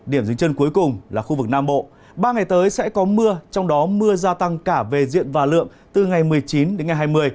điểm dính chân cuối cùng là khu vực nam bộ ba ngày tới sẽ có mưa trong đó mưa gia tăng cả về diện và lượng từ ngày một mươi chín đến ngày hai mươi